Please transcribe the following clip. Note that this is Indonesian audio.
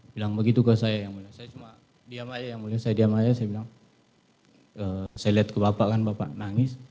bilang begitu ke saya saya diam aja saya lihat ke bapak kan bapak nangis